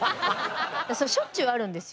それしょっちゅうあるんですよ。